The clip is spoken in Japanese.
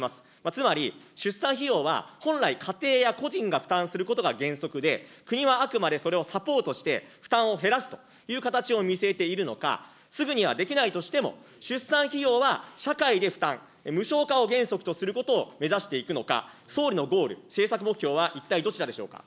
つまり、出産費用は本来、家庭や個人が負担することが原則で、国はあくまでそれをサポートして、負担を減らすという形を見据えているのか、すぐにはできないとしても、出産費用は社会で負担、無償化を原則とすることを目指していくのか、総理のゴール、政策目標は一体どちらでしょうか。